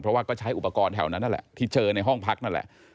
เพราะว่าก็ใช้อุปกรณ์แถวนั้นนั่นแหละที่เจอในห้องพักนั่นแหละ